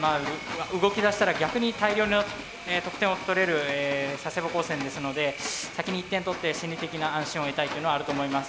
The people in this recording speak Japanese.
動きだしたら逆に大量の得点を取れる佐世保高専ですので先に１点取って心理的な安心を得たいというのはあると思います。